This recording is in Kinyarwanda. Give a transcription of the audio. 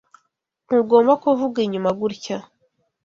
Ntugomba kuvuga inyuma gutya.